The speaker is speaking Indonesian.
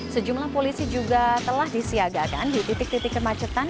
sejumlah polisi juga telah disiagakan di titik titik kemacetan